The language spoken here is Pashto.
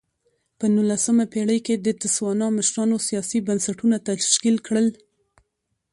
په نولسمه پېړۍ کې د تسوانا مشرانو سیاسي بنسټونه تشکیل کړل.